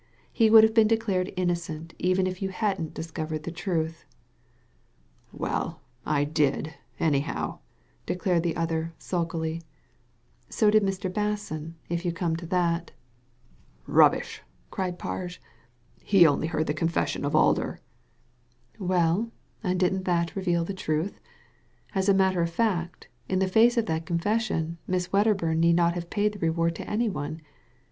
He would have been declared innocent even if you hadn't discovered the truth." *• Well, I did, anyhow,*' declared the other, sulkily. " So did Mr. Basson, if you come to that" Digitized by Google 270 THE LADY FROM NOWHERE "Rubbish!" cried Parge. "He only heard the confession of Alder. ''Well, and didn't that reveal the truth? As a matter of fact, in the face of that confession, Miss Wedderbum need not have paid the reward to any one.